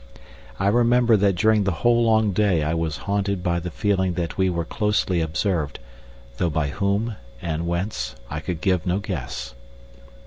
I remember that during the whole long day I was haunted by the feeling that we were closely observed, though by whom or whence I could give no guess.